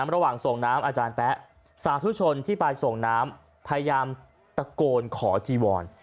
ระหว่างส่งน้ำอาจารย์แป๊ะสาธุชนที่ไปส่งน้ำพยายามตะโกนขอจีวอน